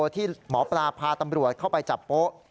ที่หมอปลาพาตำรวจเข้าไปจับโป๊ะ